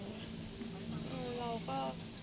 อืมเราก็